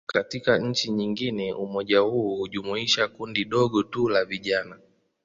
Katika nchi nyingine, umoja huu hujumuisha kundi dogo tu la vijana.